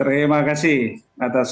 terima kasih atas